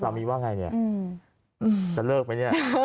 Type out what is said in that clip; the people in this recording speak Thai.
มีว่าไงเนี่ยจะเลิกไหมเนี่ย